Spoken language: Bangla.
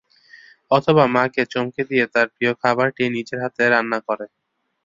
অথবা মাকে চমকে দিয়ে তাঁর প্রিয় খাবারটি নিজের হাতে রান্না করে।